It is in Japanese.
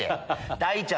大ちゃん。